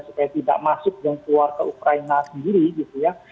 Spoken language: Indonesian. supaya tidak masuk dan keluar ke ukraina sendiri gitu ya